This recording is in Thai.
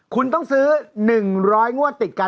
คุณต้องซื้อ๑๐๐งวดติดกัน